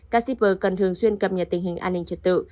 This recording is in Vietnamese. các shipper cần thường xuyên cập nhật tình hình an ninh trật tự